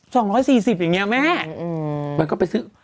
สองร้อยสี่สิบอย่างเงี้แม่อืมมันก็ไปซื้อ